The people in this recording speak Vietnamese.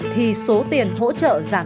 thì số tiền hỗ trợ giảm giá điện